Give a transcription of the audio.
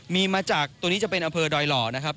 มีมาจากตัวนี้จะเป็นอำเภอดอยหล่อนะครับ